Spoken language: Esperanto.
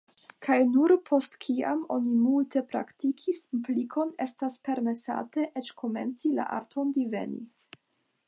Kaj nur postkiam oni multe praktikis implikon, estas permesate eĉ komenci la arton diveni.